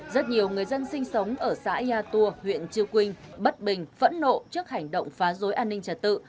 rất nhiều người dân sinh sống ở xã yatua huyện chư quynh bất bình phẫn nộ trước hành động phá rối an ninh trả tự